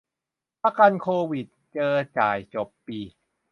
ประกันโควิด เจอ จ่าย จบ ปี